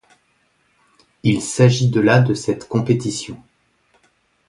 Il s’agit de la de cette compétition.